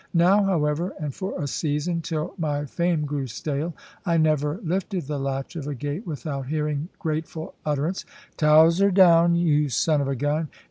Now, however, and for a season till my fame grew stale, I never lifted the latch of a gate without hearing grateful utterance, "Towser, down, you son of a gun!